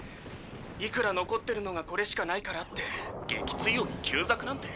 いくら残ってるのがこれしかないからって撃墜王に旧ザクなんて。